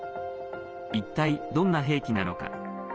一体、どんな兵器なのか。